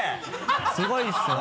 すごいですよね！